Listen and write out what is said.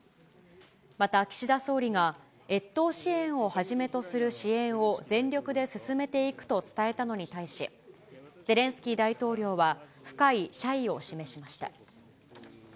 また岸田総理が、越冬支援をはじめとする支援を、全力で進めていくと伝えたのに対し、ゼレンスキー大統領は深い謝意を示しました。